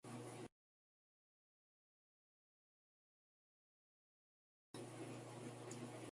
Estudió medicina en Zaragoza y se especializó en pediatría en Madrid.